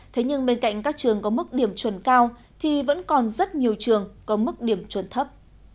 thế nhưng bên cạnh các trường có mức điểm chuẩn cao thì vẫn còn rất nhiều trường có mức điểm chuẩn thấp